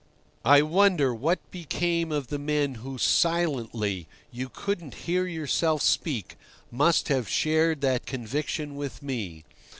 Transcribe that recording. I wonder what became of the men who silently (you couldn't hear yourself speak) must have shared that conviction with me.